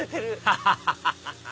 アハハハ